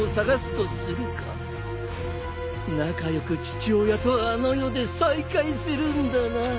仲良く父親とあの世で再会するんだな。